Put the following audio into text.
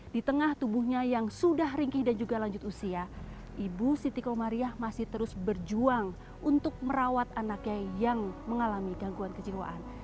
di tengah tubuhnya yang sudah ringkih dan juga lanjut usia ibu siti komariah masih terus berjuang untuk merawat anaknya yang mengalami gangguan kejiwaan